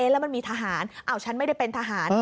แล้วมันมีทหารฉันไม่ได้เป็นทหาร